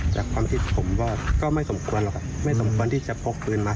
แต่ความที่ผมว่าก็ไม่สมควรหรอกไม่สมควรที่จะพกปืนมา